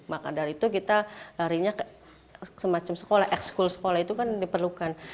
maka dari itu kita larinya semacam sekolah ekskul sekolah itu kan diperlukan